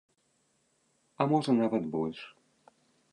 А можа, нават больш.